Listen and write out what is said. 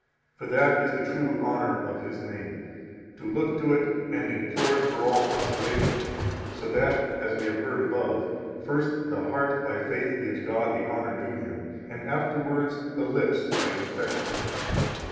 For that is the true honor of His name, to look to it and implore it for all consolation, so that (as we have heard above) first the heart by faith gives God the honor due Him, and afterwards the lips by confession.